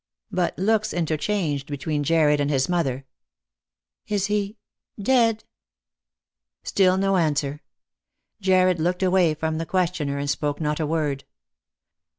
But looks interchanged between Jarred and his mother. " Is he— dead P" Still no answer. Jarred looked away from the questioner, and spoke not a word.